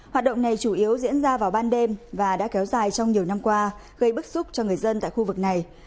hoạt động này chủ yếu diễn ra vào ban đêm và đã kéo dài trong nhiều năm qua gây bức xúc cho người dân tại khu vực này